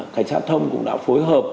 cảnh sát thông cũng đã phối hợp